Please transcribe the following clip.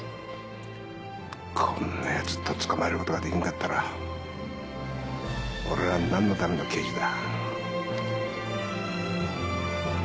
こんなやつとっ捕まえることができんかったら俺らなんのための刑事だ？